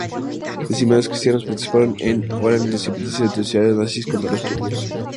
Demasiados cristianos participaron en, o eran simpatizantes, atrocidades nazis contra los Judíos.